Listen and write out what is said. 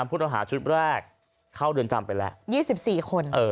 พูดอาหารชุดแรกเข้าเรือนจำไปแล้วยี่สิบสี่คนเออ